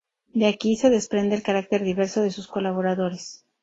De aquí se desprende el carácter diverso de sus colaboradores.